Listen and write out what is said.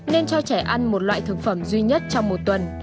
nên cho trẻ ăn một loại thực phẩm duy nhất trong một tuần